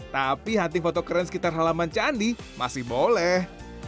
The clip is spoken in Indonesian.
tapi hunting foto keren sekitar halaman candi masih boleh